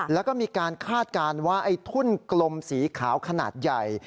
แล้วก็มีการคาดการณ์ว่าไอ้ทุ่นกลมสีขาวขนาดใหญ่